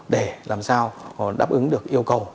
để làm sao đáp ứng được yêu cầu